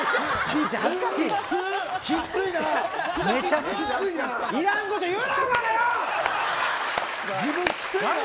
きっついな。